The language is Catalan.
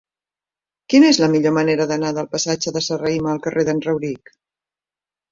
Quina és la millor manera d'anar del passatge de Serrahima al carrer d'en Rauric?